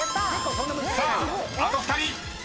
［さああと２人］